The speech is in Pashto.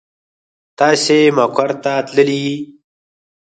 تاسې مقر ته تللي يئ.